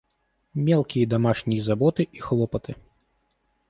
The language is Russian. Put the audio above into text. Мелкие домашние заботы и хлопоты.